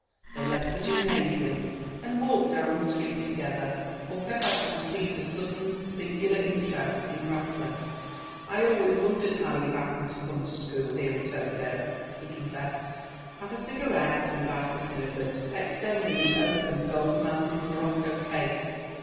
They left the gymnasium, and walked down the street together. Hooker had conceived a sudden, singular interest in Rackliff. "I always wondered how you happened to come to school here at Oakdale," he confessed. "Have a cigarette," invited Herbert, extending an open, gold mounted morocco case.